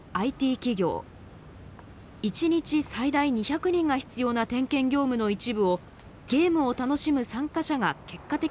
一日最大２００人が必要な点検業務の一部をゲームを楽しむ参加者が結果的に担っているという取り組みです。